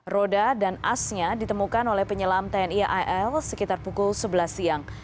roda dan asnya ditemukan oleh penyelam tni al sekitar pukul sebelas siang